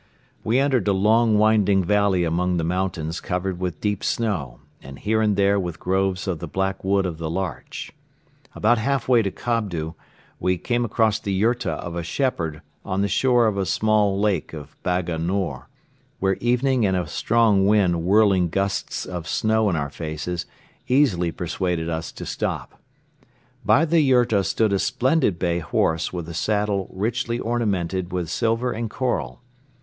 We entered a long, winding valley among the mountains covered with deep snow and here and there with groves of the black wood of the larch. About halfway to Kobdo we came across the yurta of a shepherd on the shore of the small Lake of Baga Nor, where evening and a strong wind whirling gusts of snow in our faces easily persuaded us to stop. By the yurta stood a splendid bay horse with a saddle richly ornamerited with silver and coral.